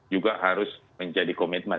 juga harus menjadi komitmen